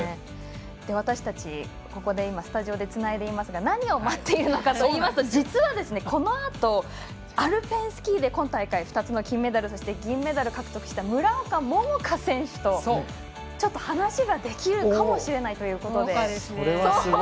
私たち、スタジオでつないでいますが何を待っているのかといいますと実は、このあとアルペンスキーで今大会２つの金メダルそして、銀メダル獲得した村岡桃佳選手と話ができるかもしれないということで。